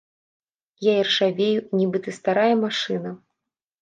Я іржавею, нібыта старая машына.